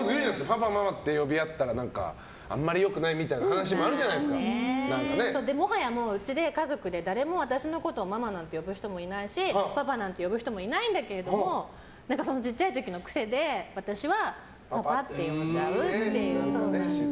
パパ、ママって呼び合ったらあんまり良くないみたいな話ももはや家で家族で誰も私のことをママなんて呼ぶ人もいないしパパなんて呼ぶ人もいないんだけれども小さい時の癖で私はパパって呼んじゃうっていう。